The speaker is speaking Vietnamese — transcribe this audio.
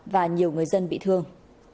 và nhiều người dân bị thương